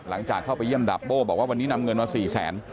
หลังจากเข้าไปเยี่ยมดาบโบ้บอกว่าวันนี้นำเงินมา๔แสน